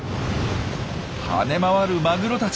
跳ね回るマグロたち。